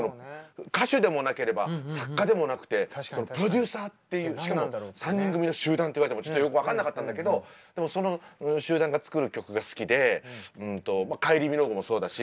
歌手でもなければ作家でもなくてプロデューサーっていうしかも３人組の集団って言われてもちょっとよく分かんなかったんだけどその集団が作る曲が好きでカイリー・ミノーグもそうだし